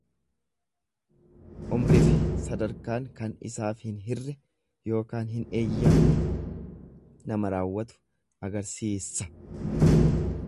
Umrifi sadarkaan kan isaaf hin hirre ykn hin eeyyamne nama raawwatu agarsiissa.